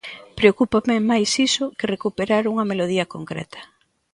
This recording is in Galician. Preocúpame máis iso que recuperar unha melodía concreta.